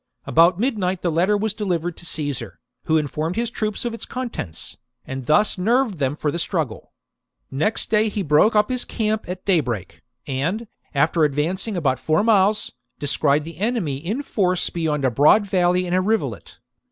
About midnight the letter was delivered to Caesar, who informed his troops of its contents, and thus nerved them for the struggle. Next day he broke up his camp at daybreak, and, after advancing about four miles, descried the enemy in force beyond a broad valley and a rivulet.